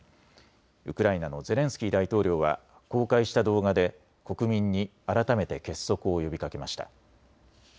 ウクライナのゼレンスキー大統領は公開した動画で国民に改めて結束を呼びかけました。